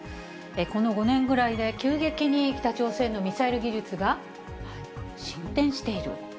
この５年くらいで急激に北朝鮮のミサイル技術が進展している。